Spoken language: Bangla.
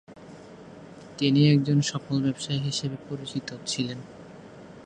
তিনি একজন সফল ব্যবসায়ী হিসেবে পরিচিত ছিলেন।